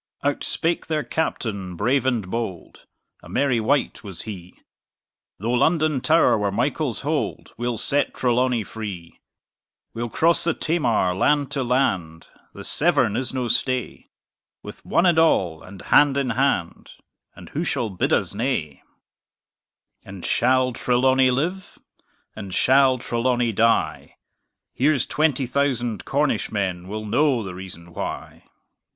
Out spake their Captain brave and bold: A merry wight was he: Though London Tower were Michael's hold, We'll set Trelawny free! We'll cross the Tamar, land to land: The Severn is no stay: With "one and all," and hand in hand; And who shall bid us nay? And shall Trelawny live? Or shall Trelawny die? Here's twenty thousand Cornish men Will know the reason why!